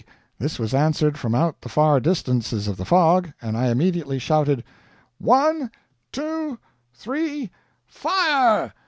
This was answered from out the far distances of the fog, and I immediately shouted: "One two three FIRE!"